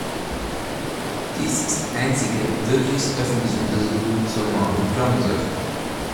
Dies ist die einzige wirklich öffentliche Untersuchung zur Maul- und Klauenseuche.